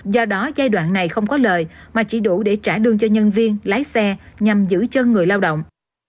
do đó giai đoạn này không có lời mà chỉ đủ để trả lương cho nhân viên lái xe nhằm giữ chân người lao động